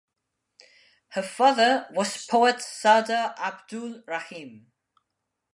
Her father was poet Sardar Abdul Rahim.